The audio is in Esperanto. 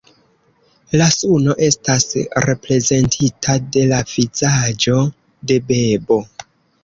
La suno estas reprezentita de la vizaĝo de bebo.